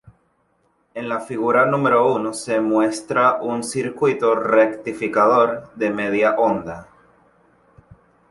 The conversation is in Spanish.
En la figura I. se muestra un circuito rectificador de media onda.